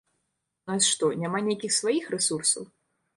У нас што, няма нейкіх сваіх рэсурсаў?